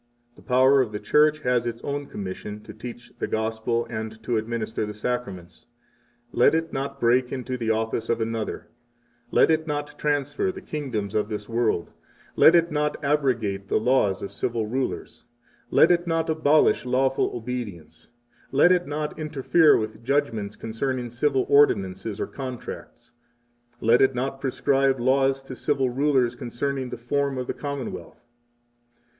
The power of the Church has its own commission to teach the Gospel and 13 to administer the Sacraments. Let it not break into the office of another; let it not transfer the kingdoms of this world; let it not abrogate the laws of civil rulers; let it not abolish lawful obedience; let it not interfere with judgments concerning civil ordinances or contracts; let it not prescribe laws to civil rulers concerning the form of the Commonwealth.